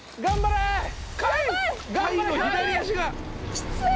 きつい！